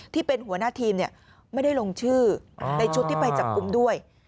ที่เป็นหัวหน้าทีมไม่ได้ลงชื่อในชุดที่ไปจับกลุ่มด้วย